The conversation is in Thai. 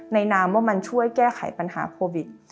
นามว่ามันช่วยแก้ไขปัญหาโควิด